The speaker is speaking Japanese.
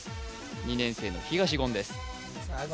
２年生の東言ですさあ言